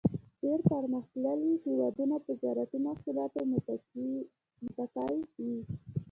ډېری پرمختیایي هېوادونه په زراعتی محصولاتو متکی وي.